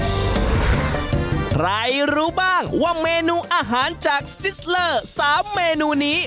ใครรู้บ้างว่าเมนูอาหารจากซิสเลอร์๓เมนูนี้